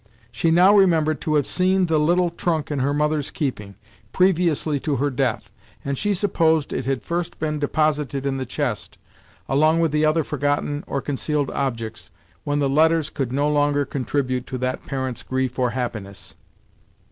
She now remembered to have seen the little trunk in her mother's keeping, previously to her death, and she supposed it had first been deposited in the chest, along with the other forgotten or concealed objects, when the letters could no longer contribute to that parent's grief or happiness.